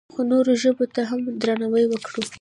خو نورو ژبو ته هم درناوی وکړو.